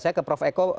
saya ke prof eko